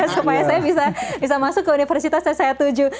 supaya saya bisa masuk ke universitas yang saya tuju